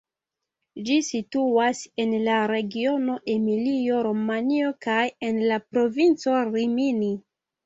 Ĝi situas en la regiono Emilio-Romanjo kaj en la provinco Rimini.